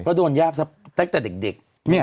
ก็โดนยากแตกแต่เด็ก